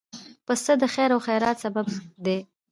پسه د خیر او برکت سبب دی.